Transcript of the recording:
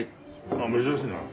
ああ珍しいなあ。